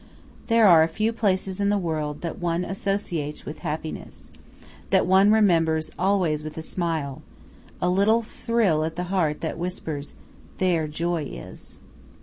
There are a few places in the world that one associates with happiness, that one remembers always with a smile, a little thrill at the heart that whispers "There joy is."